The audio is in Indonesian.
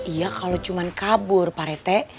iya kalau cuma kabur parete